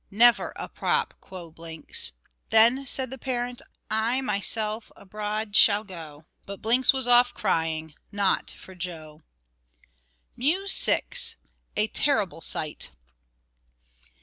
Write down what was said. "Never a prop," quo' Blinks. "Then," said the parent, "I myself abroad shall go." But Blinks was off, crying, "Not for Joe." MEW VI. _A Terrible Sight.